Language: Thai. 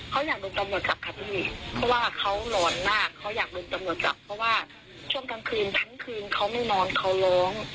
เขาอยากโดนตำรวจจับค่ะพี่เพราะว่าเขาหลอนมากเขาอยากโดนตำรวจจับเพราะว่าช่วงกลางคืนทั้งคืนเขาไม่นอนเขาร้อง